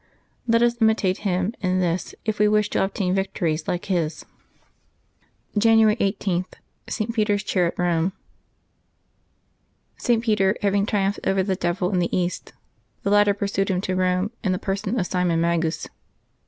Let us imitate him in this if we wish to obtain victories like his. 40 LIVES OF THE SAINTS [Januaby 18 January i8.— ST. PETER'S CHAIR AT ROME. [t. Peter having triumphed over the devil in the East, the latter pursued him to Eome in the person of Simon Magus.